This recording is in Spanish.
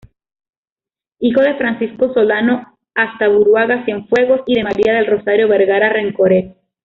Hijo de Francisco Solano Astaburuaga Cienfuegos y de María del Rosario Vergara Rencoret.